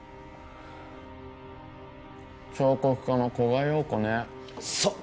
彫刻家の古賀洋子ねえそう！